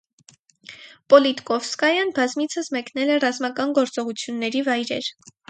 Պոլիտկովսկայան բազմիցս մեկնել է ռազմական գործողությունների վայրեր։